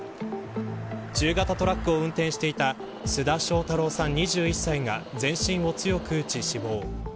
中型トラックを運転していた須田翔太郎さん、２１歳が全身を強く打ち、死亡。